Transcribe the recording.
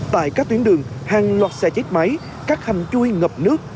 tại các tuyến đường hàng loạt xe chết máy các hầm chui ngập nước